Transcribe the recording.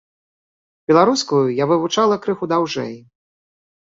Беларускую я вывучала крыху даўжэй.